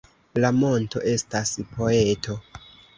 La monto estas poeto